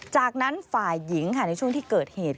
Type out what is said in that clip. จากนั้นฝ่ายหญิงค่ะในช่วงที่เกิดเหตุ